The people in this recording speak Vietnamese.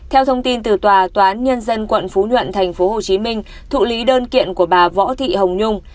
theo thông tin từ tòa án nhân dân quận phú nhuận tp hcm thụ lý đơn kiện của bà võ thị hồng nhung